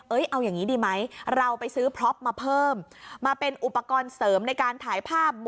เอาอย่างนี้ดีไหมเราไปซื้อพล็อปมาเพิ่มมาเป็นอุปกรณ์เสริมในการถ่ายภาพ